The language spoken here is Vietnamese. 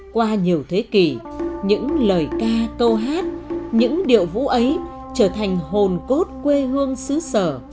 qua nhiều thế kỷ những lời ca câu hát những điệu vũ ấy trở thành hồn cốt quê hương xứ sở